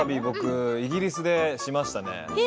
イギリスでしましたね。